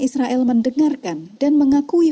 israel mendengarkan dan mengakui